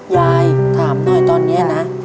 ยายถามหน่อยตอนนี้นะ